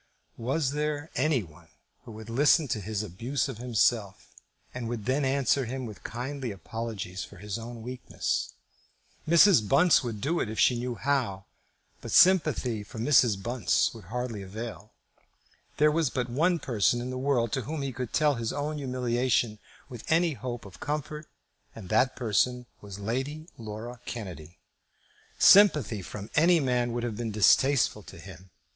Was there any one who would listen to his abuse of himself, and would then answer him with kindly apologies for his own weakness? Mrs. Bunce would do it if she knew how, but sympathy from Mrs. Bunce would hardly avail. There was but one person in the world to whom he could tell his own humiliation with any hope of comfort, and that person was Lady Laura Kennedy. Sympathy from any man would have been distasteful to him.